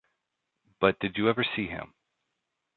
But did you never see him?